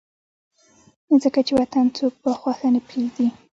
ځکه چې وطن څوک پۀ خوښه نه پريږدي